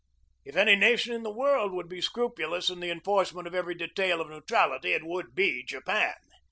If any nation in the world would be scrupulous in the enforcement of every detail of neutrality it would be Japan.